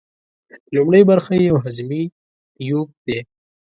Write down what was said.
لومړۍ برخه یې یو هضمي تیوپ دی.